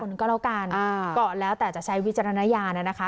คุณก็แล้วกันอ่าก็แล้วแต่จะใช้วิจารณญานะนะคะ